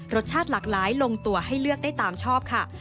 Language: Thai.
รสชาติหลากหลายลงตัวให้เลือกได้ตามชอบค่ะ